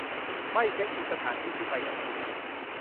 ไม่เช็กอินสถานที่ที่ไปกับคุณ